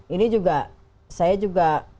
ini juga saya juga